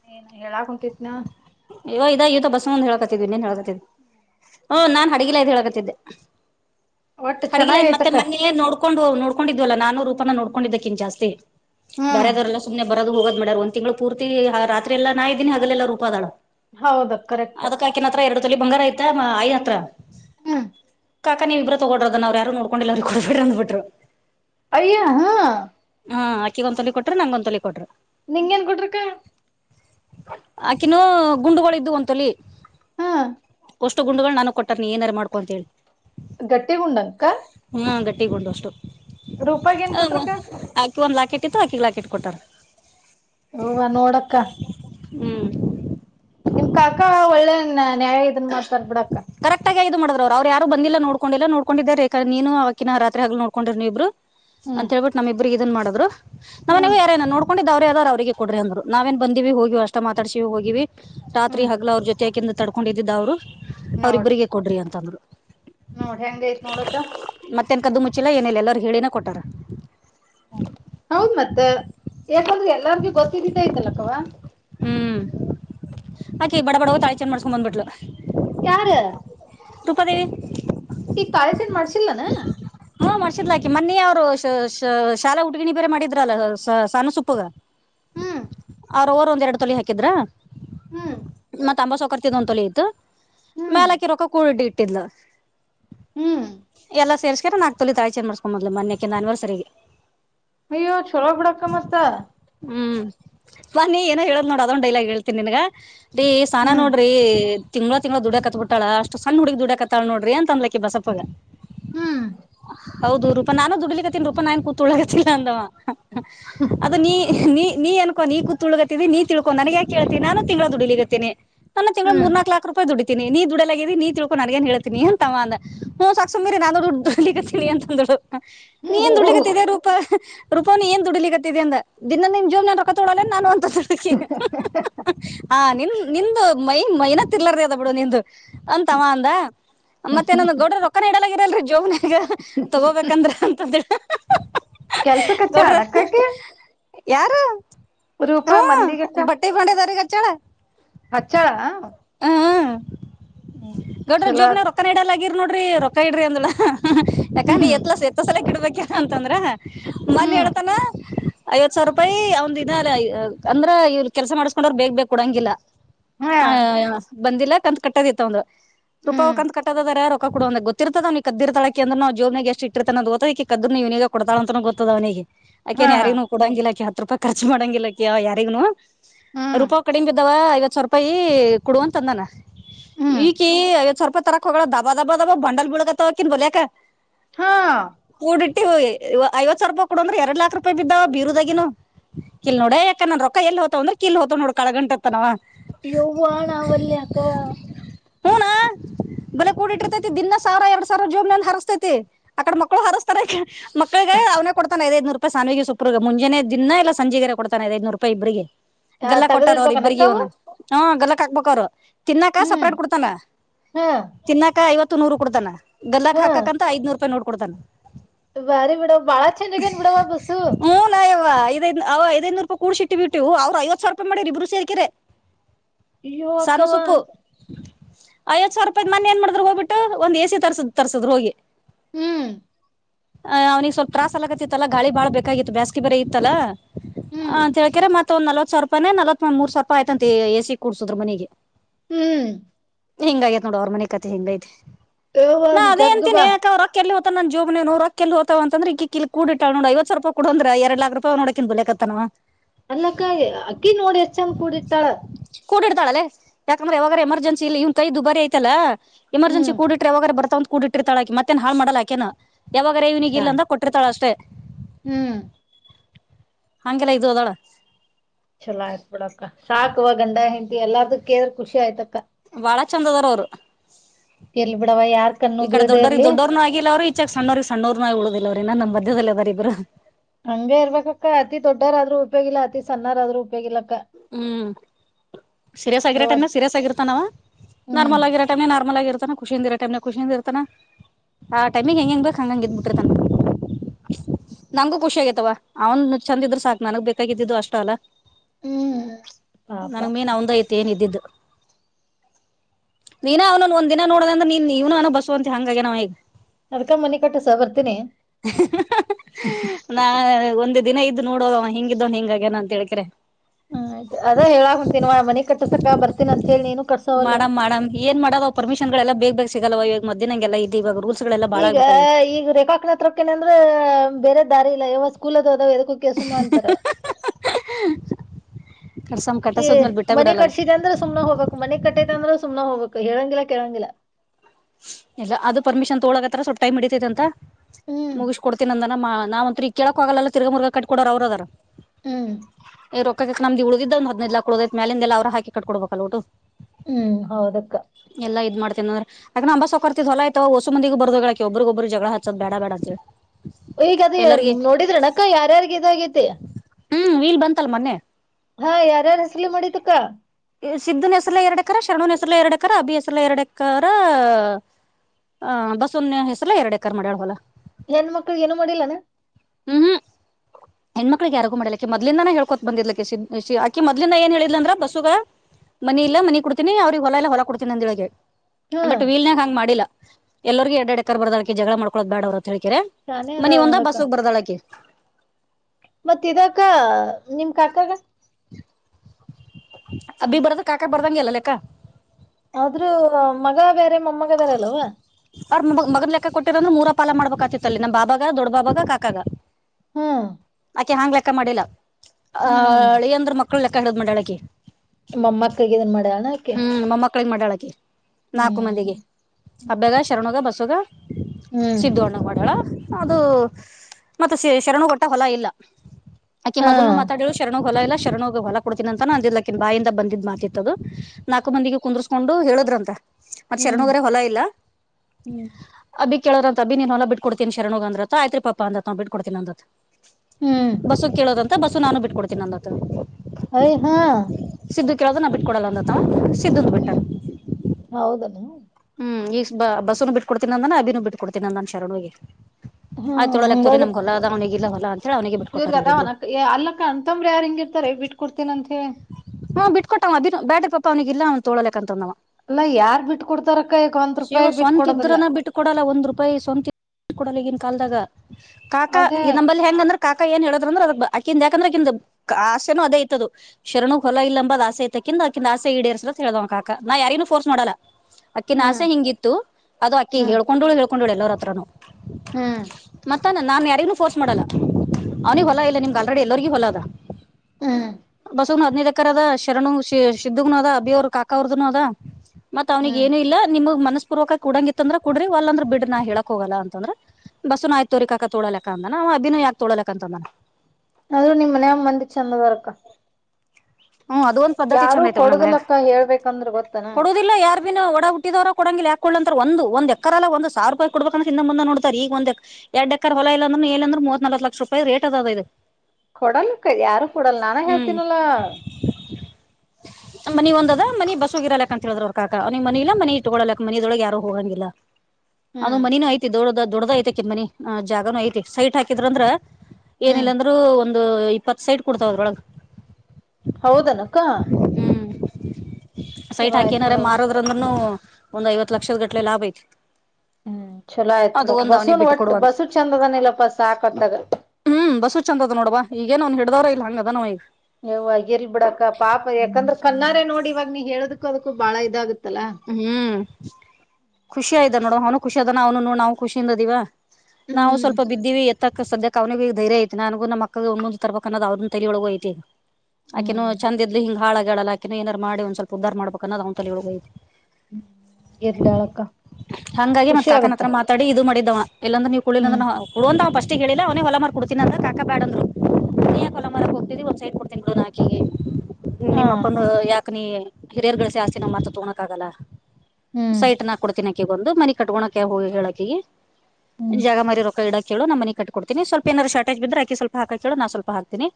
ನೀನ ಹೇಳಾಕಟತಿಿನ ಅಯ್ಯ ಇದ ಇವತ ಬಸ ಮುಂದ್ ಹೇಳ್ಕತಿದ್ವಿ ನೀನ್ ಹೇಕತಿದ್ ಹಓ್ ನಾನ್ ಹಡಗಿಲ ಇದ್ ಹೇಕತಿದ್ದೆ ಒಟ್ಟ ಅಡಗಲ ಮತ್ತೆ ಚೆನ್ನಾಗೈತಕ್ಕ ಮನಲ್ಲ ನೋಡ್ಕೊಂಡು ಹೋಗ್ ನೋಡ್ೊಂಡಿದ್ವಲ್ಲ ನಾನು ರೂಪನ ನೋಡ್ಕೊಂಡಿದ್ದಕ್ಕಿಂತ ಜಾಸ್ತಿ ಹ್ಮ್ ಬೇರೆದವರೆಲ್ಲ ಸು್ನೆ ಬರೋದು ಹೋಗದ್ ಮಡರ್ ಒ್ ತಿಂಗಳು ಪೂರ್ತಿ ಹ ರಾತ್ರಿಲ್ಲಾ ನ ಇದ್ದಿನಿ ಹಗಲ್ಲ ರೂಪಾದಾಳ ಹೌದಾ ಕರೆಕ್ಟ್ ಲಿ [unintelligible] ಬಂಗಾರ ಆಯ್ತಾ ಆಯಿ ಹತ್ರ [unintelligible] ಹ್ಮ ಕಾ ನೀವ ಇಬ್್ರರು ತಗೋದನ್ನ ಅವ್ ಯಾರ ನೋಡ್ೊಂಡ ಎಲ್ಲ್ರರು ಕೊಡ್ ಬಿಡ್ರ ಅಂದ್ ಬಿಟ್ರು [unintelligible] ಅಯ್ಯೋ ಹಾ ಹಾಂಕ್ಕಿ ಒಂತ ತಲಿ ಕೊಟ್ಟ್ರ ನಂಗ ಒಂದಂತಲಿ ಕೊಟರು ನೀಂಗ ಕೊಟ್ಟರುಕ್ಕ ಇನ್ನು ಗುಂಡುಗಳಿದ್ದು ಒಂತಲಿ ಹಾ ಅಷ್ಟು ಗುಂಡಗಳು ನನಗ್ ಕೊಟ್ಟರ್ನ ಏನಾರ ಮಾಡಕೊ ಅಂತ ಹೇಳಿ ಗಟ್ಟಿಗಂಡಕ ಗೊಂಡಷ್ಟುಕಿ ಏನ್ ಕೊಟ್ರಕ್ಕ ಒಂದ್ ಹಾಕೆ [unintelligible] ಇತ್ತು ಆಕ್ಕಿಲಾ ಕೆ ಇಟ್ ಕೊೊಟ್ಟಾರ ಓವ ನೋಡಕ್ಕ ಹ್ಮ್ ನಿಮ್ ಕಾಕ ಒಳ್ಳೇನ್ ನ್ಯಾಯ ಇದನ್ [unintelligible] ಕರೆಕ್ಟ್ ಆಗಿ ಇದು ಮಾಡ ಅವ್ರರು ಯಾರು ಬಂದಿಲ್ಲ ನೋಕೊಂಡಿಲ್ಲ ನೋಡ್ಕೊಂಡಿದಿದ್ದಾರೆ ನೀನು ಅವಕಿ ರತ್ರಿ ಹಗ ನೋಡ್ಕೊಂಡಿ್ರ ನೀಬ್ರು ಹ್ಮ್ ಅಂತ ಹೇಳ್ಬಿಟ್ಟ ನಮ್ಮ ಇಬ್ಬ್ರಗ ಇದನ್ ಮಾಡಿದ್ ನ್ ಮಗ ಹ್ಮ್ ಯಾರೇನ ನೋಡ್ ಹೊಂಡಿದ್ದ್್ರಾವಾರ್ [unintelligible] ಅವರಿಗೆ ಕೊಡ್ರ ಅಂದರು ನಾವೇನ್ ಬಂದಿವೀ ಹೋಗಿ ಅಷ್ಟ ಮಾತಾಡ್ಿವೀ ಹೋಗಿವಿ ರಾತ್ರಿ ಹ್ಮ್ ಹಗ್ಲ ಅವ್ರ ಜೊತೆಕಿಂದ ತಡ್ಕೊಂಡಿದ್ದಿದ್ದ ಅವ್ರು ನೋಡ್ ಅವ್ರಿಬ್ಬ್ರಿಗೆ ಕೊಡ್ರಿ ಅಂತಂದ್ರು ನೋಡ್ ಹೆಂಗ ಐತ್ ನೋಡಕ್ಕ ಮತ್ತೆನ್ ಕ ಮುಚ್ಚ ಚಿಲ ಏನೇಿಲ್ಲ [unintelligible] ಎಲ್ಲರೂ ಹೇಳಿನ ಕೊಟ್ಟಾರ ಹ ಹೌದ್ ಮತ್ತತ್ ಯಾಕಂದ್ರೆ ಎಲ್ಲಾರ್ಗ ಗೊತ್ತಿದ್ದಿದ್ದಐ್ತಲ್ಲಕ್ಕವಾ ಹ್ಮ್ ಅಕೆ ಬಡ ಬಡ ಹ [unintelligible] ತಾಳಚೆ ಮಾಡ್ಕೊಂಡ ಯಾರು ರೂಪಾದೇವಿ ಈಗ ತಾಳಿ ಚೈನ್ ಮಾಡ್ಸಿಲ್ಲ ಹ್ಮ ಮಾಡರ್ಸಿದ್ಾಕಿ ಮನ್ನಿ ಅವ್ರು ಶ ಶಾಲಾ ಹುಡುಗಿಣಿ ಬೇರೆ ಮಾಡಿದ್ರಲ್ಲ ಸಾನುಸುಪ್ಪುಗ [unintelligible] ಹ್ಮ್ ಅವ್ರೋರ್ ಒಂದ್ ಎರಡು ತೊಲೆ ಹಾಕಿದ್ರ ಹ್ಮ್ ಮತ್ತ ಅಂಬ ಸೌಕರ್ತಿದ್ ಒಂದ್ ತೊಲಿ ಇತ್ತು ಹ್ಮ್ ಮೇಲಕ್ಕ ಇರೋಕ ಕೂಳಡ್ಡಿ ಇಟ್ಟಿದಲ ಹ್ಮ್ ಎಲ್ಲ ಸೇರ್ಸ್ ಶರಣ್ ಆಗ್ತೀ [unintelligible] ತಳಚೆರ್ ಮಾಡ್ಕೊಂಬದ್ ಮನ್ನೆಕಿ ಅನ್ವರ್ರಿಗೆ ಅಯ್ಯೋ ಚಲೋ ಅಕ್ಕ ಬಿಡು ಮತ್ತೆ ಬ ನೀ ಏನೋ ಹೇಳದ್ ನೋಡ ಅದೊಂಡ ೈಲ ಹೇಳ್ತೀನಿ ನಿನ್ಗ ರೀ ಸ್ಾನ ಹ್ಮ್ ನೋಡ್ರಿ [unintelligible] ತಿಂಳ ತಿಂಗಳ ದುಡ ಕತ್ಬಿಾಳ ಅ ಸಣ್ಣ ಹುಡುಗ ದುಡ ಕಾಳ ನಡ್ರಿ ಅನ್ಲಕ್ಕೆ ಬಸಪ್ಪಗ ಹ್ಮ್ ಹೌದು ರೂಪಾ ನಾನು ದುಗ್ಲಿಿಕತ್ತನ್ಿ ರೂಪಾ ನಾನ್ ಕೂತ್ಳಗತಿಲ್ಲ ಅಂದವ ಅದು ನೀ ನೀ [unintelligible] ನೀ ಅನ್ಕೋ ನೀ ಕುೂ ಉಳ್ಗತ್ತೀ ನೀ ತಿಳ್ಕೊಂಡ ನನ್ ಯ ಕೇಳ್ತೀಿಾನು ತಿಂಳ ದುಡಿಿಲಿಗತ್ತಿನಿ ನಾನು ತಿಂಗಳ ಹ್ಮ್ ಮೂರ್ನಾಕ್ ದುಡಿತೀನ ನೀ ದುಡಲ ನೀ ತಿಳ್ಕೊಂಡ ನನ ಏನ್ೇಳ್ತಿನನಿ ಅಂತ ಅ ಹ ಸಾಕ್ಸುೇ ನಾನ ಉಿ ಕತ್ತಲಿ [unintelligible] ಅಂತಂದುಳು ನೀಂದುಳಿ ಕತ್ತಿದೆ ರೂಪ ರುಪಾನ ಏ ದುಡಲಿಿಕತ್ತ ಅಂದ ದಿನದ ನಿನ್ ಜೋ್ ರೊತೊಡಲ್ಲ ನ [unintelligible] ಹ ನಿನ್ ನಿ [unintelligible] ಮೈ ಮೈನ ಇಲ್ಲರಿ ಅದ ಬಿಡು ನಿ ಅಂತವಾ ಅಂದ ಮತ್ತೆೇನೊಂದು ಗೌಡ ರೊಕ್ಕನ ಇಡಲ ಇರಲ್ರಿೀ ಜೋವನ ಈಗ ತಗೋಬೇಕಂದ್ರೆ ಅಂತ್ದ [unintelligible] ಕೆಲ್ಸ ಕಚ್ಚ ಹಣಕ್ಕಕ್ಕೆ ಯಾರು ರೂಪಾಯ ಮಂದಿಗಸ ಚಳ [unintelligible] ಹಚ್ಚಳ ಹ್ಮ್ ಗೌಡ್ರ ಚಲೋ ಜೋಮನ ರೊಕ್ಕ ಇಡಲ್ಲ ಆಗರ ನೋಡ್ರಿ ರೊಕ್ಕ ಇಡ್ರಿ ಅಂದಲ [unintelligible] ಹ ಯಾಕ ನೀ ಹ್ಮ್ ಎತ್ಲ ಎತ್ಸಲ ಇಡ್ಬೇಕನ ಅಂತಂದ್ರ ಮೊನ್ೆ ಹ್ಮ್ ಹೇಳ್ತಾನ ಐವತ್ ಸಾವಿರ ರೂಪಾಯಿ ಅವಂದ್ ಇದ ಅಂದ್ರ ಇವ್ ಕೆಲಸ ಮಾಡಸ್ಕೊಂಡರು ಬೇಗ್ ಬೇಕ್ ಕೊಡಂಗಿಲ್ಲ ಹಾ ಆ ಬಂದಿಲ್ಲ ಕಂತತ್ ಕಟ್ಟೋದಿತ್ತ ಒಂದು ರೂಪ ಹ್ಮ್ ಕಂತತ್ ಕಟ್ಟದದಾರಾರ ಕ್ಕ ಕೊಡ ಒಾಗ ಗೊಿರ್ತ ಅವ್ಿಗೆದಿರ್ಳೆ ಅ್ರ ನಾ ಜೋನಾಗ ಎಷ್ಟ ಇಿತಾನೋ ಗೊದ ಈ ಕದ್ದ ನೀವನಗ ಕೊಡ್ತಳಂತನ ಗೊತ್ತದ ಅವನಿಗೆ ಹಾ ಅಕೇನ್ ಹಾ ಯಾರಿಗನು ಕೊಡಂಗಿಲ್ಲಾಕ್ಕಿ ಹತ್ ರೂಪಾಯಿ ಖರ್ಚ್ ಮಾಡಂಗ ಇಲ್ಲ ಯಾರಿಗಗ್ನು ಹ್ಮ್ ರೂಪಾಯ ಕಡಿಮ ಇದಿದ್ದವ ಐವತ್ತು ಸಾವ ರೂಪಾಯಿ ಕೊಡುವಂತ ಅಂದನ ಹ್ಮ್ ಈಕಿ ಐವ್ ಸ್ವ ರೂಪಾಯ ತರಕ್ಗಗಳಳ ದಬ ದಬ ದಬ ಬಂಡಲ್ ಬಿಳಳ್ಗತಾವಕಿರ್ ಬಲಯಾಕ ಹಾ ಐವ ಸಾವರ ರೂಪಾಯಿ ಕೊಡ ಅ್ರ ಎರಡ್ ಲಾ ರೂಪಾಯಿ ಬಿದ್ದವು ಬೀರುದಗನನು ಕಲ್ ನೋಡ ಯಾಕ ನಂದನ್ ರೊ ಎ ಹತ್ತತಂದ್ರ ಕಿ ಹತ್ತತ ನೋ ಕಳಗಂಟ ಯವ್ವ ನಾ ಅವಲ್ಲ ಅಕ್ಕ ಹೂನ ಬಲೆ ಕೂಡಿಟ್ಟಿರ್ತೈತಿ ದಿನ ಸಾವಿರ ಎರಡ್ ಸಾವಿರ ಜೋಮ ಹರಸ್ತೈತಿ ಅಕ ಮಕ್ಕಳು ಹ ಮಕ್ಕಳಿಗೆ ಅವ್ನೆ ಕೊಡ್ತಾನೆ ಐದನೂರು ಸಾವಿಗೆ ಸೂಪರುಗ ಮುಂಜೆ ದಿನಲ್ಲ ಸಂಜೆರೆ ಕೊಡ್ತಾರೆದಐನೂರು ರಪಾಯಿ ಇಬ್ರಿಗೆ ಗಲ್ಲ ತಗದ್ ಕೊಟ್ಟಾರ ಅವ್ರ ಇಡ್ಬೇಕನ ಇಬ್ಬರಿಗ ಅಕ್ಕ ಅವು ಒ ಗಲ್ಲ ಹಾಕ್ಬೇಕರು ತಿನ್ನಾಕ ಹ್ಮ್ ಸಪ್ರೇಟ್ ಕುಡ್ತಾನ ಹಾ ತಿನ್ನಾಕ ಐವತ್ತು ನೂರು ಕೊಡ್ತಾನ ಗಲ್ಲ ಹಾ ಹಾಕ ಅಂತಐನೂರು ನೋಟ್ ಕೊಡ್ತಾನ ಬಾರಿ ಬಿಡವ ಬಾಳ ಚಂದಾಗೇನ್ ಬಿಡವ ಬಸ್ಸು ಐದ ಐದನೂ ರೂಪಾಯಿ ಕೂಡ್ಸಿಟ್ಟ ಬಿಟ್ಟು ಅವ್ರ ಐವ ಸಾವಿರ ರೂಪಾಯಿ ಮಾಡಿರಿಬ್ರು ಸೇಕೆರೆ ಅಯ್ಯೋ ಅಕ್ಕವಾ ಐವ್ ಸಾವಿರ ರೂಪಾಯಿ ಮನ್ನ ಏನ್ ಮಾಡಿದ್ರು ಹೋಗ್ಬಿಟ್ಟ ಒಂದು ಎ ಸಿ ತರ್ಸದ್ ತರ್ಸಿದ್ರು ಹೋಗಿ ಹ್ಮ್ ಅವನಿಗೆ ಸ್ವಲ್ಪ ಪ್ರತ್ರಾಸ ಅಲಕತ್ತತಿತ್ತಲ್ಲಾ ಗಾಳಿ ಬಾಳ ಬೇಕಾಗಿತ್ತು ಬೇಸಿಗೆ ಬೇರೆ ಇತ್ತಲ್ಲಾ ಹ್ಮ್ ಅಂ ಹೇಳೇಕೆ ಮತ್ತತ್ಂದ್ ನವತ್ವರ ರೂಪಾಯ ನವತ್ ಮೂರ್ ಸಾವಿ ರೂಪಾಯಯ್ತ ಅತ್ ಈ ಎ ಸಿ ಕೂಡ್ಸುದ್ರು ಮನಗೆ ಹ್ಮ್ ಹಿಂಗ ಆಗೇತ್ ನೋಡು ಅವ್ರ ಮನೆ ಕತಿ ಹ ಹೆಂಗ ಐತಿತೆ ಯವ್ವ ನಾ ಅದೇ ಜಗ್ಗ ಅಂತಿನಿ ಬಾ ಅಕ್ಕ ಯಾ ಅವರ ನನ್ ಜೋಬ್ ನಗೆ ನರಾಕ್ಕೆಲ್ ಹೋತವ ಅಂದ್ರ ಈಗ ಕೂಡಿಟ್ಟಳ ನೋ ಐತ್ತುವ ರೂಪಾಯ ಕೊಡ ಅ್ರ ಎರ ಲಾಕ್ ರೂಪ ನೋಕಿ ಬೇಕತ್ತತನವ ಅಲ್ಲಕ್ಕ ಅಕ್ಕಿ ನೋಡಿ ಎಷ್ಟ ಚಂದ ಕೂಡಿ ಇಟ್ಟಾಳ ಕೂಡಿಡ್ತಾಳಲ್ಲ ಯಾಕಂದ್ರೆ ಯಾವಾಗ ಎಮರ್ಜೆನ್ಸಿ ಇವ ಕೈದುಬರಿ ಯತಲ್ಲ ಎಮರ್ಜೆಸಿ ಹ್ಮ್ ಕೂಡಿದ್ರೆ ಯಾವಾಗ ಬರ್ತಾವಂತ ಕೂಡಿ ಇಟ್ರೆ ತಾಳಕ ಮತ್ತೇನ್ ಮಾಡಾಕೇನಾ ಯಾವಾಗ ರೇವ್ನಿಗೆ ಇಲ್ಲ ಸಾಕ್ ಅಂತ ಕೊಟ್ಟಿತಳ ಅಷ್ಟೇ ಹ್ಮ್ ಹಗೆಲ್ಲ ಇದದು ಅದಾಳ ಚಲ ಆಯ್ತ್ ಬಿಡಕ್ಕ ಸಾಕುವ ಗಂಡ ಹೆಂಡಟಿ ಎಲ್ಲಾರು ಕೇಳ್ರೆ ಖುಷಿ ಆಯ್ತಕ್ಕ ಬಾಳ ಚಂದ ಅದಾರ ಅವರು ಇರ್ಲಿ ಬಿಡವ ಯಾರ್ ಕಣ್ಣು ಈಕಡೆ ಬೀಳದೆ ದೊಡ್ಡರಿಗೆ ಇರ್ಲಿ ದೊಡ್ಡವ್ರನು ಆಗಿಲ್ಲ ಅವರು ಇನ್ನ ಸಣ್ಣಗೆ ಸಣ್ಣ ಉಳುದಿಲ್ಲ ಅವ್ರರಿ ನಮ್ಮ ಮಧ್ಯದದಲ್ಲಿದಾರಬ್ರು ಹಂಗಗೆ ಇರ್ಬೇಕಕ್ಕ ಅತಿ ದೊಡ್ಡರಾದ್ರೂ ಉಪಯೋಗಿಲ್ಲ ಅತಿ ಸಣ್ಣರಾದ್ರೂ ಉಪಯೋಗಿಲ್ಲ ಹ್ಮ್ ಸೀರಿಯಸ್ ಆಗರೋ ಯವ್ವ ಟೈಮ್ ಸೀಯಸ್ ಇರ್ತಾನನ ಹ್ಮ್ ನಾರ್ಮಲ್ ಆಗಿ ಟೈಮ್ ನರ್ಮಲಾಗಿರುತ್ತಾನೆ ಖುಷಿಯಿಂದ ಇರ ಟೈಮ್ ಖುಷಿಯಿಂದ ಇರ್ತಾನ ಆ ಟೈಮಿಂಗ ಹೆಂಗ ಹೆಂಗ್ ಬಕ್ ಹಂಗ ಇದ್ಬ ಬಿಟಿರ್ತಾನ ನಂಗು ಖುಷಿ ಆಗತವ ಅವನ್ ಚಂದ ಇದ್ರರು ಸಾಕು ನನಗ ಬೇಕಾಗಿದ್ದಿದ್ದು ಅಷ್ಟ ಅಲ್ಲ ಹ್ಮ್ ಪಾಪ ನನ್ಗ್ ಮೀನ್ ಅವಂದೈತಿ ಏನ್ ಇದಿದ್ದು ನೀನು ಅವನು ಒಂದ್ ದಿನ ನೋಡದಂದ್ರೆ ನೀನ್ ಇವನು ಅವಾನ ಬಸುವಂತ ಹಂಗಗೆಯ ನಾವ ಹೇಗ್ ಅದ್ಕ ಮನಿ ಕೊಟ್ಟಸ ಬರ್ತೀನಿ ಒಂದೇ ದಿನ ಇದ ನೋಡವ ಹಿಂಗಿದ್ದವನ್ ಹಿಂಗಗ್ಯನ ಅಂತ ಹೇಳಳ್ಕ್ರೆ ಅದ ಹೇಳಾಗ್ಂತೀವ ಆ ಮನೆ ಕಟ್ಟಸಕ ಬರ್ತಿನಿ ಅಂತ ಹೇಳಿ ನೀನು ಕಟ್ಟ ಮಾಡಮ್ ಮಾಡಮ್ ಏನ್ ಮಾಡ್ ಪರ್ಮಿಷನ್ ಎಲ್ಲ ಬೇ ಬೇ ಸಿಗಲ್ವಾಗ ಮದ್ಯಾನನ ಎಲ್ಲ ಇವಾಗ ಗಳೆಲ್ಲ ಬಾಳ ಈಗ ಆಗ್ಬಿಟ್ಟವ ಈಗ ರೇಖಾಕನತ್ರಕ್ಕೆನ ಅಂದ್ರ ಬೇರೆ ದಾರಿ ಇಲ್ಲ ಯಾವಾಗ ಸ್ಕೂಲದು ಅದ ಕುಕ್ಕೆಸುಮಾ ಅಂತರ ಕಟ್ಸಮ್ ಏ ಕಟ್ಟಸದ್ಮೇಲೆ ಬಿಟ್ಟ ಮನೆ ಬಿಡಲ್ಲಲ್ಲ ಕಟ್ಸಿದೆ ಅಂದ್ರೆ ಸುಮನೆ ಹೋಗಬೇಕಕ್ ಮನೆ ಕಟ್ಟಿದ ಅಂದ್ರೆ ಸುಮ್ ಹೋಗ್ಬೇಕು ಹೇಳಂಗಿಲ್ಲ ಕೆಳಂಗಿಲ್ಲ. ಎಲ್ಲ ಅದು ಪರ್ಮಿಷನ್ ತೋಗೋಳಾಕತ್ತರ ಸ್ವಲ್ಪ ಟೈಮ್ ಹಿಡಿತೈತಿ ಅಂತ ಹ್ಮ್ ಮುಗಿಸಿ ಕೊಡ್ತೇನ ಅಂದಾನ. ನಮ್ಮ ನಾವಂತ್ತ್ರ ಕೇಳಾಕು ಆಗಲ್ಲ ತೀರ್ಗಾಮುರ್ಗ ಕಟ್ಟಿಕೊಡೋರ ಅವರ ಅದಾರ ಹ್ಮ್ ಏ [inaudible] ರೊಕ್ಕಕ್ ನಮ್ದು ಉಳಿದಿದ್ದ ಹದಿನೈದು ಲಾಕ್ ಉಳದೈತಿ ಮೇಾಲಿಂದೆಲ್ಲ ಅವ್ರ ಹಾಕಿ ಕಟ್ಟಿಕೊಡಬೇಕಲ್ಲ ಓಟು ಹ್ಮ್ ಹೌದಕ್ಕ. [inaudible] ಅಕಿನ ಅಂಬಾಸಾವಕರ್ತಿದ ಹೊಲ ಆಯ್ತಿಯಲ್ ಓಸು ಮಂದಿಗ ಬರದ ಹೋಗ್ಯಾಳ ಒಬ್ಬಬ್ರ ಒಬ್ಬರು ಜಗಳ ಹಚ್ಚೋದ ಬೇಡ ಬೇಡ ಅಂತ ಹೇಳಿ. ಈಗ ಅದ ನೋಡಿದ್ರಣಕ್ಕ ಯಾರ್ಯಾರಿಗೆ ಇದ ಆಗೈತಿ. ಹ್ಮ್ ಈಗ ಬಂತಲ್ಲ ಮೊನ್ನೆ ಹಾ ಯಾರ್ಯಾರ ಹೆಸರ್ಲೆ ಮಾಡೆತಕ್ಕಾ. ಸಿದ್ದುನ ಹೆಸರ್ಲೆ ಎರಡಕ್ಕರ ಶರಣು ಹೆಸರ್ಲೆ ಎರಡಕ್ಕರ ಅಭಿ ಹೆಸರ್ಲೆ ಎರಡಕ್ಕರ ಹ ಬಸುನ ಹೆಸರ್ಲೆ ಎರಡ್ ಎಕರ ಮಾಡ್ಯಾಳ ಹೊಲ. ಹೆಣ್ಣಮಕ್ಕಳಿಗ ಏನು ಮಾಡಿಲ್ಲನ? ಹೆಣ್ಣ್ಮಕ್ಳಿಗೆ ಯಾರಿಗು ಮಾಡಿಲ್ಲ ಆಕಿ ಮೊದಲಿಂದನ ಹೇಳಕೊಂತ ಬಂದಿದ್ಲ ಆಕಿ ಸಿದ್ದ ಸೀ ಮೊದಲಿಂದ ಏನು ಹೇಳಿದ್ಲ ಅಂದ್ರ ಬಸುಗ ಮನಿ ಇಲ್ಲ ಮನಿ ಕೊಡ್ತೀನಿ ಅವ್ರಿಗೆ ಹೊಲ ಎಲ್ಲ ಹೊಲ ಕೊಡ್ತೀನಿ ಅಂದಿಲ್ ಆಕಿ ಹಾ ಬಟ್ ವೀಲ್ನಾಗ ಹಂಗ ಮಾಡಿಲ್ಲಾ. ಎಲ್ಲಾರಿಗ ಯಾಡ್ ಯಾಡ್ ಎಕರ್ ಬರ್ದಾಳಕಿ ಜಗಳ ಮಾಡ್ಕೊಲೋದ ಬೇಡ ಅವ್ರ ಅಂತ ಹೇಳಿಕ್ಯಾರ ಶಾನೆ ಮನಿ ಅದಾಳ ಒಂದ ಬಸುಗ ಬರ್ದಾಳಕಿ. ಮತ್ತ ಇದಕ್ಕ ನಿಮ್ ಕಾಕಗ ಅಭಿಗ ಬರ್ದ ಕಾಕಾಗೆ ಬರ್ದಂಗೆ ಎಲ್ಲ ಲೆಕ್ಕ. ಆದ್ರೂ ಮಗ ಬೇರೆ ಮೊಮ್ಮಗ ಬೇರೆ ಅಲ್ಲವಾ ಅವ್ರ ಮಗನ್ ಲೆಕ್ಕ ಕೊಟ್ಟಿರಅಂದ್ರ ಮೂರ ಪಾಲ ಮಾಡ್ಬೇಕಾಕ್ತಿತ್ತ ಅಲ್ಲಿ ನಮ್ ಬಾಬಾಗ ದೊಡ್ಡಾಬಾಬಾಗ ಕಾಕಾಗ - ಹ್ಮ ಆಕಿ ಹಾಂಗ ಲೆಕ್ಕ ಮಾಡಿಲ್ಲ ಅಳಿಯಂದರ ಮಕ್ಕಳ ಲೆಕ್ಕ ಹಿಡದ ಮಾಡ್ಯಾಳ ಆಕಿ. ಮೊಮ್ಮಕ್ಕಳಿಗ ಇದನ್ ಮಾಡ್ಯಾಳನ ಆಕಿ. ಕಳೆದ ಮಾಡ್ಯಾಳ ಆಕಿ ನಾಲ್ಕು ಹ್ಮ್ ಮಂದಿಗೆ ಅಬ್ಬ್ಯಾಗ ಶರುಣುಗ ಬಸುಗ ಹ್ಮ್ ಸಿದ್ದು ಅಣ್ಣಾಗ ಮಾಡ್ಯಾಳ. ಅದು ಮತ್ತ ಶರಣುಗ ಓಟ್ಟ ಹೊಲ ಇಲ್ಲ ಆಕೆ ಹಾ ಮೊದಲು ಮಾತಾಡಿದ್ಲು ಶರಣು ಹೊಲ ಇಲ್ಲ ಶರಣೋಗ ಹೊಲ ಕೊಡ್ತೀನ ಅಂತ ಅಂದಿದ್ಲ ಆಕಿ ಬಾಯಿಂದ ಬಂದಿದ್ ಮಾತಿತ್ತ ಅದು ನಾಲ್ಕು ಮಂದಿಗೆ ಕುಂದ್ರಿಸಿಕೊಂಡು ಹೇಳ ಅಂದಿರಂತ ಮತ್ತ ಹ್ಮ್ ಶರಣಗರ ಹೊಲ ಇಲ್ಲ. ಹ್ಮ್ ಅಬಿ ಕೇಳಿರಂತ ಅಬಿ ನಿನ್ನ ಹೊಲ ಬಿಟ್ ಕೊಡ್ತನಿ ಶರಣುಗ ಅಂದ್ರಂತ ಆಯತ್ರಿ ಪಪ್ಪ ಅಂದ ಅಂತ ಬಿಟ್ಟ ಕೊಡ್ತೇನ್ರಿ ಅಂದತ್. ಹ್ಮ್ ಬಸುಗ ಕೇಳಿದಂತ ಬಸ್ಸು ನಾನು ಬಿಟ್ಕೊಡ್ತೀನಿ ಅಂದಂತ. ಅಯ್ ಹಾ. ಸಿದ್ದುಗ ಕೇಳಿದ್ರ ಬಿಟ್ಕೊಡಲ್ಲ ಅಂದಂತ ಅವ. ಹ್ಮ್ ಹೌದನ. ಹ್ಮ್ ಈಗ ಬಸ್ಸನು ಬಿಟ್ ಕೊಡ್ತೀನ ಅಂದಾನ ಅಭಿನು ಬಿಟ್ ಕೊಡ್ತಿನಿ ಅಂದಾನ್ ಶರಣುಗೆ. ಹಾ ಆಯ್ತ ತೊಗೊರಿ ಆಗ್ತವರ ನಮ್ಗ ಹೊಲ್ಲ ಅದ ಅವನಿಗೆಲ್ಲ ಹೊಲ - ಇವ್ರಿಗೆ ಅದಾವನ ಅಕ್ಕ ಅಲ್ಲಕ್ಕ ಅಣ್ಣತಮ್ಮಂದಿರ ಯಾರ ಹಿಂಗಿರ್ತಾರ ಬಿಟ್ ಕೊಡ್ತೀನಂತ ಹೇಳಿ ಹಾ ಬಿಟ್ ಕೊಟ್ಟವ್ ಅಬಿ ಬೆಡ್ರಿ ಪಪ್ಪಾ ಅವ್ರಿಗ ಇಲ್ಲ ಅವ್ ತೊಳೋಲಾಕ್ಕ ಅಂದ ಅವ. [inaudible] ಅಲ್ಲಾ ಯಾರ್ ಬಿಟ್ ಕೊಡ್ತಾರಕ್ಕ ಈಗ ಒಂದ್ ರೂಪಾಯಿ ಬಿಟ್ ಸ್ವಂತ ಕೊಡೋದಿಲ್ಲ ಇದ್ರನ ಬಿಟ್ಕೊಡಲ್ಲ ಒಂದ್ ರೂಪಾಯಿ ಸ್ವಂತ. ಬಿಟ್ಟಕೊಡಲ್ಲ ಈಗಿನ್ ಕಾಲದಾಗ ಕಾಕಾ ಅದೇ ಈ ನಂಬಲ್ಲಿ ಹೆಂಗ ಅಂದ್ರೆ ಕಾಕಾ ಏನ್ ಹೇಳದ್ರ ಅಂದ್ರೆ ಅದ ಇಕಿಂದ ಯಾಕಂದ್ರ ಇಕಿಂದ ಆಸೆನೂ ಅದೇ ಇತ್ತದು. ಶರಣು ಹೊಲ ಇಲ್ಲಂಬ ಅ ಆಸೆಐತಕಿ ಅಕಿಂದ ಆಸೆ ಈಡೇರ್ಸಲತ್ ಹೇಳ್ದವನ ಕಾಕಾ ನಾ ಯಾರ್ಗೂ ಫೋರ್ಸ್ ಮಾಡಲ್ಲ. ಅಕ್ಕಿನ ಹ್ಮ್ ಆಸೆ ಹಿಂಗಿತ್ತು ಅದು ಅಕ್ಕಿ ಹ್ಮ್ ಹೇಳ್ಕೊಂಡುಳು ಹೇಳ್ಕೊಂಡುಳು ಎಲ್ಲರ ಹತ್ರನು. ಹ್ಮ್ [inaudible] ನಾನ್ ಯಾರಿಗೂ ಫೋರ್ಸ್ ಮಾಡಲ್ಲ ಅವ್ನಿಗೆ ಹ್ಮ್ ಹೊಲ ಇಲ್ಲ ನಿಮ್ಗೆ ಆಲ್ರೆಡಿ ಎಲ್ಲರಿಗು ಹೊಲ ಅದ. ಹ್ಮ್ ಹದ್ನೈದ ಎಕರ್ ಅದ ಶರಣು ಶಿದ್ದುಗ್ನು ಅದ ಅಭಿ ಅವ್ರ ಕಾಕಾ ಅವ್ರದನು ಅದ. ಮತ್ ಅವನಿಗೆ ಹ್ಮ್ ಏನು ಇಲ್ಲ ನಿಮಗ್ ಮನಸ್ [inaudible] ಕುಡಂಗಿತ್ತಂದ್ರ ಕುಡರಿ ಒಳ್ಳ ಅಂದ್ರ ಬಿಡ್ರಿ ನಾ ಹೇಳಕ್ ಹೋಗಲ್ಲ ಅಂದ್ರ ಬಸನು ಆತ್ ತೊಗೊರಿ ಕಾಕ ತೊಗೊಳಕ ಅಂದನ. ಅಭಿನೂ ಯಾಕೆ ತೊಗೋಳೋಲಕ್ಕ ಅಂತ ಅಂದಾನ. ಅಂದ್ರು ನಿಮ್ ಮನ್ಯಾಗ ಮಂದಿ ಚಂದ ಅದಾರಕ್ಕ. ಹ್ಮ್ ಅದ ಒಂದ್ ಪದ್ದತಿ ಯಾರು ಚೆಂದ ಐತವ ನಮ್ಮ ಮನಾಗ ಕೊಡುದಿಲ್ಲಕ್ಕ ಹೇಳ್ಬೇಕಂದ್ರ ಗೊತ್ತನ ಕೊಡುದಿಲ್ಲ ಒಡ ಹಟ್ಟಿದ್ರು ಕೊಡಂಗಿ ಹಾಕೊಳ್ಳ ಅಂತ ಒಂದ ಎಕರಲ್ಲ ಒ ಸಾವಿ ರೂಾಯಿ ಕೊಡ್ಬೇಕಂತಿಂದ ಮುಂದ ನೋಡ್ರೆ ಈಗ ಒಂದ ಎರಡ್ ಎಕ್ಕಾರ್ ಹೊಲ ಇಲ್ಲ ಅಂದ್ರೂಏಂದ್ರ ಮೂತ್ಲ್ಕ ಲಕ್ಷ ರೂಪಾಯ ರೇಟ್ ಅದ ಇದು ಕೊಡಲ್ ಯಾರು ಕೊಡಲ್ಲ ನಾನೇ ಹೇಳ್ತೀನಲ್ಲ ಮನ ಒಂದ ಅದ ಮನಿ ಬಸ್ ಗಿರಲ್ಲಾಕ್ ಅಂತ ಹೇಳಿದ್ರ ಅವ್ರಕಾಕ ಅವ ನೀ ಮ ಇಲ್ಲ ಮ ಇಟ್ಕೊೋಕಕ್ ಮನದೊಳಗೆ ಯಾರು ಹೋಗಂಗಿಲ್ಲ ಅದು ಹ್ಮ್ ಮನಿನನು ಐತಿ ದೊಡ್ಡ್ದ ದೊಡದ ಐತೆ ಕಿನ್ ಮನಿ ಜಾಗಾನೂ ಐತಿ ಸೈಟ್ ಹಾಕಿದ್ರ ಅಂದ್ರ ಹ್ಮ್ ಏನಿಲ್ಲಾಂದ್ರರು ಒಂದು ಇಪ್ಪತ್ತು ಸೈಟ್ ಕೊಡ್ತಾವದ ಒಳಗ್ ಹೌದನಕ್ಕ ಸೈಟ್ ಚಲೋ ಆಯ್ತ್ ಹಾಕನಾರ ಬಿಡವ ಮಾರೋದ್ರಂದ್ರನು ಒಂದ್ ಐವತ್ ಲಕ್ಷದ ಗಟ್ಲೆ ಲಾಭ ಐತೆತಿ ಹ್ಮ್ ಚಲ ಆಯ್ತ್ ಮಡಕ್ ಬಸ್ುನ್ ಒಟ್ಟು ಕೊಡುವಂತ ಬಸ್ ಚೆಂದ ಅದನ ಇಲ್ಲಪ್ಪ ಸಾಕತ್ತದ ಹ್ಮ್ ಬಸ್ಸು ಚಂದದ ನೋಡುವಾ ಈಗೇ ಅವ್ ಹಡ್ದಾರ ಇಲ್ಲ ಹಂಗ ಅದ ನ ಗ್ಯರಿ ಬಿಡಕ ಪಾಪ ಯಾಕಂದ್ರ ಸನ್ನಾರೆ ನೋಡಿ ಇವಾಗ ನೀ ಹೇಳದಕು ಅದಕ್ಕೂ ಬಾಳ ಇದಾಗುತ್ತೆ ಹ್ಮ್ ಖುಷಿ ಆಯ್ದ ನೋಡು ಅವ್ನು ಖುಷಿ ಅದಾನ ಅವನು ನಾವು ಖುಷಿದದಿವವ ನಾವು ಹ್ಮ್ ಸ್ವಲ್ಪ ಬಿದ್ದಿವವಿ ಕ್ಕ ಸದ್ಯಕ್ಕೆ ಅವನಿಗೆ ಧೈರ್ಯಐತೆ ನನಗ ನಮ್ಮಕ್ಕಳಗ ಒಂದೊಂದು ತರಕ್ಕ ಅನ್ನದ್ದ ತಳ ಒಳಗ ಐತೆತಿಗ ಆಕೇನು ಹ್ಮ್ ಚಂದ್ ಹಿ ಹಳ ಹೇಳಲ್ಲಾಕೆೋ ಏನಾರ ಮಾಡ ಒಂದ್ ಸ್ವಪ ಉ್ಧಾರ ಮಾಡಬೇಕ ಅ್ ತಲ ಹುಗಯಐತಿ ಇರ್ಲಿ ಅಳಕ್ಕ ಹಂಗಾಗಿ ಖುಷಿ ಮತ್ತ್ ಕಾಕನ ಆಗತ್ತ ಹತ್ರ ಮಾತಾಡಿ ಇದು ಮಾಡಿದ ಇಲ್ಲಂದ್ರೆ ನೀವು ಹ್ಮ್ ಕುಡಿಲ್ಲಂದ್ರ ಕುಡುವಂತಷ್ಟ ಹೇಳಿಲ್ಲ ಅವನೇ ಹೊಲಮರ ಕೊಡ್ತೀ ಅಂದ್ರ ಕಾಕ ಬಡಂದ್ರು ನೀಕ್ ಹೊಲ ಮರ ಹೋಗತಿದಿ ಒಂದ್ ಸೈಡ್ ಕೊಡ್ತೀ ಆಕಿಗೆ ಹಾ ನಿಮ್ಮ ಅಪ್ಪನು ಯಾಕ ನೀ ಹಿರಿಯರ್ ಗಳಸ ಆಸ್ತಿ ನಮ್ಮ ಮತ್ರ ತಗೋಕ್ ಆಗಲ್ಲ ಹ್ಮ್ ಸೈಟ್ ನ ಕೊಡ್ತೀನಕಗೊಂದು ಮನಿ ಕಟ್ಕೊಳಕ ಹ ಹೇಳಕಿಗೆ ಹ್ಮ್ ಜಾಗ ಮಾರ ರೊಕ ಇಡ ಕೇಳ ನಮ್ಮನೆ ಕಟ್ ಕೊಡ್ತಿನಿ ಸ್ವಲ್ ಏನಾರ ಶಾರ್ಟಜ ಬಿದ್ರಾಕ ಸ್ಲ್ಪ ಹಾಕ ಕೇಳ ನಾ ಸ್ವಲ್ಪಾಕ್ತಿನಿ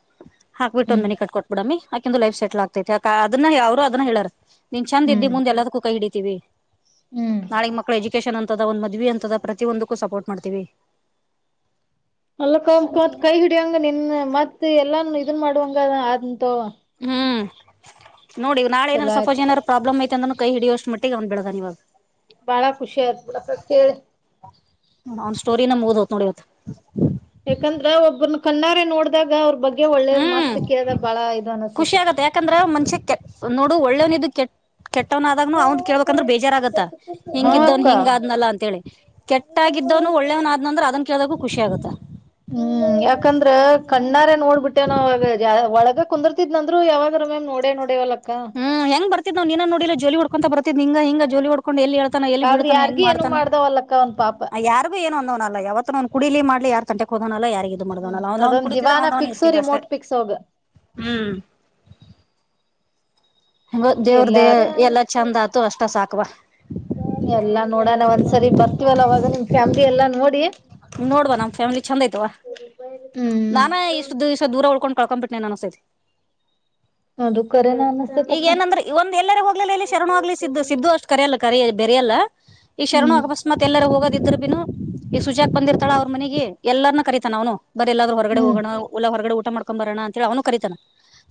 ಹಾಕ್ಬಿಟ್ಟ ಹ್ಮ್ ಒಂದ್ನಿ ಕಟ್ ಕೊಟ್ಬಿಡಮ್ಮಿ ಆಕಂದು ಲೈಫ ಸೆಲ್ ಆಗ್ತೈತಿತ ಅದನ್ನ ಅವರು ಅದನ್ನ ಹೇಳಾರ ನಿ ನೀನ್ ಚಂದ ಇದ್ದಿ ಹ್ಮ್ ಮುಂದೆ ಎಲ್ಲದಕ್ಕೂ ಕೈ ಹಿಡಿತೀವಿ ಹ್ಮ್ ನಾಳಗ್ ಮಕ್ಕಳು ಎಜುಕೇಶನ್ ದ ಒಂದ್ ಮದ್ವಿ ಅಂತದ ಪ್ರತಿದಕ್ಕೂ ಸಪೋರ್ಟ್ ಮಾಡ್ತೀವಿ ಅಲ್ಲಕ ಮತ್ ಕೈ ಹಿಡಿಯಂಗ ನಿನ್ ಮತ್ ಎಲ್ಲಾನ ಇದನ್ ಮಾಡುವಂಗ ಆದಂತು ಹ್ಮ್ ನೋಡಿ ನಾಳ ಏನಾರು ಚಲೋ ಸಪೋಜ್ ಆಯ್ತ್ ಏನಾರರು ಪ್ರಾಬ್ಲಮ್ ಐತೆತ ಅಂದ್ರ ಕೈ ಹಿಡಿಯೋಷ್ಟ್ ಮಿಟ್ಟ ಗ ಬಡಗಿವಾಗ ಬಾಳ ಖುಷಿ ಆಯ್ತು ಕೇಳಿ ಅವ್ ಸ್ಟೋರಿ ನಮ್ ಮುಗದ್ ಹೊತ್ ನೋಡಿವತ್ ಯಾಕಂದ್ರ ಒಬ್ಬ್ರನ ಕಣ್ಣಾರೆ ನೋಡ್ದಾಗ ಅವ್ರ ಬಗ್ಗೆ ಹಾಗ ಒಳ್ಳೇದ್ ಮತ್ತ ಹ್ಮ್ ಕೇಳ್ದ ಬಾಳ ಇದು ಖುಷಿ ಅನಸತಿ ಆಗತ್ತೆ ಯಾಕಂದ್ರ ಕೆಟ್ಟವ್ನ ಆದಾಗ್ನು ಅವನ್ ಕೇಳ್ಬೇಕಂದ್ರೆ ಬೇಜಾರಾಗತ್ತ ಹಿಂಗ ಹಾ ಇದವನ್ ಹಿಂಗ ಅಕ್ಕ ಆದ್ನಲ್ಲ ಅಂತ ಹೇಳಿ ಕೆಟ್ಟಾಗಿ ಇದ್ದವನು ಒಳ್ಳೇವನ ಆದ್ನಂದ್ರ ಅದನ್ ಕೇಳ್ದಕೂ ಖುಷಿ ಆಗುತ್ತ ಹ್ಮ್ ಯಾಕಂದ್ರ ಕಣ್ಣಾರೆ ನೋಡ್ಬಿಟ್ಟೆ ನವಾಗ ಒಳಗ ಕುಂದರ್ತಿದ್ನಂದ್ರು ಯಾವಾಗ ಮ್ಯಾಮ್ ನೋಡ ನಡೆಯ ಒಲ ಹ್ಮ ಹೆಂಗ ಬತ್ ನ್ ನೀನ ನೋಡಿಲ್ಲ ಜೋಡ್ತ ಬರ್ತಿದ್ದಿ ಹಂಗ ಹಂಗ ಜೋಲಿ ಹೊಡ್ಕ ಕಕೊಂಡು ಎಲ್ಲಿ ಹೇಳ್ತಾನ ಎಲ್ಲಿ ಆದ್ರ ಬೀಳ್ತಾನ ಹೆಂಗ್ ಯಾರ್ಗಿ ಏನು ಮಾಡ್ತಾನ ಮಾಡ್ದವಲ್ಲಕ್ಕ ಅವ್ನ್ ಪಾಪ ಯಾರ್ಗು ಏನು ಅಂದವನ ಅಲ್ಲ ಯಾವತ್ ನ್ ಕುಡೀಲಿ ಮಾಡ್ಲಿ ಯಾರ್ ಅವನಲ್ಲ ಯಾರಿಗೆ ಇದು ಹ್ಮ್ ಮಾಡವನಲ್ಲ ಅವಂದವ್ನ ಅದೊಂದ್ ಕುಡತಿದ್ ದಿವಾನ ಅವನವನ ಪಿಕ್ಸ್ ಇರ್ತಿದ್ದ ಅಷ್ಟೇ ರಿಮೋಟ್ ಪಿಕ್ಸ್ ಅವಾಗ ಹ್ಮ್ [inaudible] ದೇವ್ರ ದೇವ ಇರ್ಲಾಳಕ್ಕ ಎಲ್ಲಾ ಚೆಂದ್ ಆತು ಅಷ್ಟ ಸಾಕವಾ ಎಲ್ಲಾ ನೋಡೋಣ ಒಂದ್ಸರಿ ಬರ್ತಿವಲ್ಲ ಅವಾಗ ನಿಮ್ ಫ್ಯಾಮ್ಲಿ ಎಲ್ಲಾ ನೋಡಿ ನೋಡುವ ನಮ್ ಫ್ಯಾಮಿಲಿ ಚಂದ ಐತ್ವ ಹ್ಮ್ ನಾನೇ ಇಷ್ಟು ದಿವ್ಸ ದೂರ ಉಳ್ಕೊಂಡ ಕಳಕ್ಕಂ ಬಿಟ್ಟನನಾನ ಸೇರಿ ಅದು ಕರೆನ ಈಗ ಅನಸ್ತತಕ್ಕ ಏನಂದ್ರೆ ಒಂದ್ ಎಲ್ಲರೂ ಹೋಗ್ಲಲ್ಲ ಇಲ್ಲಿ ಶರಣ ಹೋಗ್ಲಿ ಸಿದಿದ್ದು ಸಿದಿದ್ದು ಅಷ್ಟು ಕರೆಯಲ್ಲ ಬರೆಯಲ್ಲ ಈ ಶರಣ ಹ್ಮ್ ಅಕಸ್ಮತ್ ಎಲ್ಲಾರೂ ಹೋಗೋದ ಇದ್ರರು ಬಿ ಈ ಎಕ್ ಬಂದಿತಳ ಅವ್ರ ಮನೆ ಎಲ್ಲರನ್ನ ಕರೀತಾನ ಅವ್ನು ಬರಿ ಎಲ್ಲಾದರ ಹೊಗಡೆ ಹ್ಮ್ ಹೋಗಣಲ್ಲ ಹೊರಗಡೆಟ್ಟ ಮಾಡ್ಕೊ ಬರೋಣ ಅಂತೇಳಿ ಅವನು ಕರಿತಾನ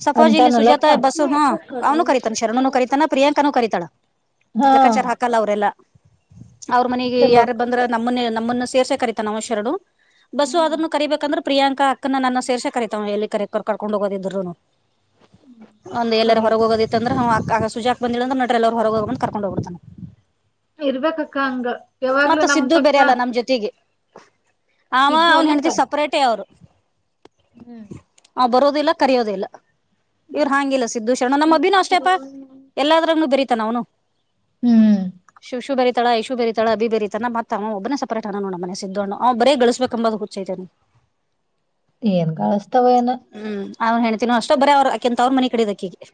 ಸಫೋಜ ಇಲಿ ಸುಜಾತ ಅಂತಾನಲ್ಲಕ್ಕ ಬಸು ಹಾ ಅವ್ನು ಕರಿತಾನ ಶರಣುನು ಕರೀತಾನ್ ಪ್ರಿಯಾಂಕನು ಕರಿತಳ ಹಾ ಲೆಕ್ಕಾಚಾರ ಹಾಕಲ್ಲ ಅವರೆಲ್ಲಾ. ಅವ್ರ ಮನೆಗೆ ಯಾರು ಚಲೋಕ್ಕ ಬಂದ್ರ ನಮ್ಮನ್ನ ನಮ್ಮನ್ನು ಸೇರ್ಸ ಕರೀತನ ಆವಾ ಶರಣು ಬಸು ಹ್ಮ್ ಅದ್ರನು ಕರಿಬೇಕಂದ್ರೆ ಪ್ರಿಯಾಂಕಾ ಅಕ್ಕನ ನನ್ನ ಸೇರ್ಸಿ ಕರತವ ಎಲ್ಲಿ ಕರೆ ಕರ್ಕೊಂಡ್ ಹೋಗೋದಿದ್ರುನು. ಒಂದ್ ಎಲ್ಲಾರ ಕರೆ ಹೊರಗ ಅಕ್ಕ ಹೋಗೋದಿತ್ತ ಅಂದ್ರೆ ಸುಜಾತ್ ಬಂದಿಳ ಅಂದ್ರ ಎಲ್ಲರು ಹೊರಗ ಹೋಗಬಂದ್ ಕರ್ಕೊಂಡೋಗಿತಾನೆ. ಇರ್ಬೇಕಕ್ಕ ಹಂಗ ಯಾವಾಗ್ಲೂ ಮತ್ತ ನಮ ತಕ್ಕ ಆವ ಸಿದ್ದು ಅವ್ನ್ ಅಲ್ಲಕ್ಕ ಹೆಂಡತಿ ಸಪರೇಟ್ ಅವ್ರು ಹ್ಮ್ ಕರೆಯೋದಿಲ್ಲ ಇವ್ರು ಹಂಗಿಲ್ಲ ಸಿದ್ದು ಶರಣ ನಮ್ಮ ಅಭಿನ ಅಷ್ಟೇಪ್ಪಾ ಎಲ್ಲಾದ ಬೆರಿತ ಅವನು ಹ್ಮ್ ಶಿವ ಶುಭರಿ ತಳ ಐಶು ಬೇರಿತಳ ಅಬಿ ಬೇರಿತನ ಮತ್ತ ಆವಾ ಒಬನೇ ಸಪರೆಟ್ ಅದಾನ್ ನಮ್ ಮನೆ ಒಳಗ ಣ್ಣ ಅವ್ ಬರೇ ಗಳಿಸಬೇಕಂಬ ಅ ಹುಚ್ಚೈತೆೇನಿ ಏನ್ ಕಳಸ್ತಾವ ಏನ ಅವ್ನ್ ಹೇಳ್ತೀನ ಅಷ್ಟ ಬರ ಅವ್ರು ಅಕಿನ್ ತವ್ರ ಮನೆ ಕಡೆದಕಿ ಅಕಿ